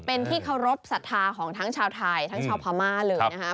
เป็นที่เคารพสัทธาของทั้งชาวไทยทั้งชาวพม่าเลยนะครับ